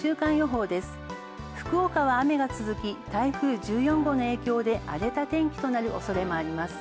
福岡は雨が続き、台風１４号の影響で荒れた天気となる恐れもあります。